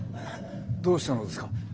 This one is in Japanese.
どうしたのですか？